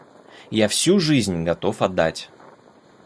Я всю жизнь готов отдать...